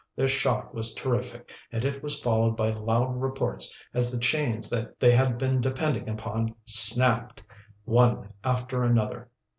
The shock was terrific, and it was followed by loud reports as the chains they had been depending upon snapped, one after another.